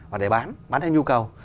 và để bán bán theo nhu cầu